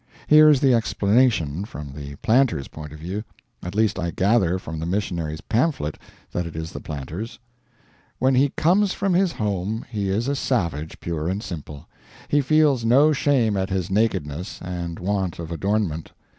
Here is the explanation, from the planter's point of view; at least I gather from the missionary's pamphlet that it is the planter's: "When he comes from his home he is a savage, pure and simple. He feels no shame at his nakedness and want of adornment.